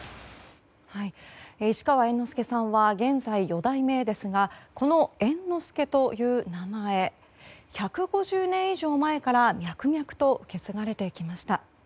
市川猿之助さんは現在、四代目ですがこの猿之助という名前１５０年以上前から脈々と受け継がれてきました。